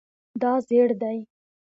دا زیړ دی